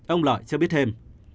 ông lợi cho biết thêm